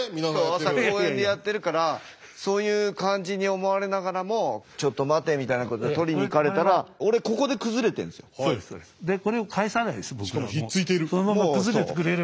朝公園でやってるからそういう感じに思われながらもちょっと待て！みたいなことで取りに行かれたら俺そうですそうです。